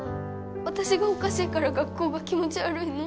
私がおかしいから学校が気持ち悪いの？